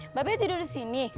mbak bey tidur di sini